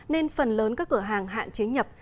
nên phần lớn các cửa hàng hạn chế nhập